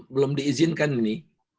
belum diizinkan ini